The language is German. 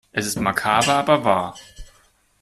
Es ist makaber aber wahr.